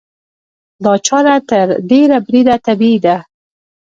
دا چاره تر ډېره بریده طبیعي ده.